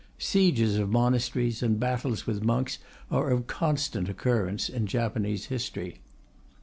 Sieges of monasteries and battles with monks are of constant occurrence in Japanese history.